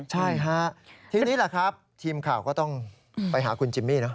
ใช่ฮะทีนี้แหละครับทีมข่าวก็ต้องไปหาคุณจิมมี่นะ